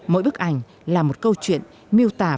mỗi bức ảnh là một câu chuyện miêu tả việt nam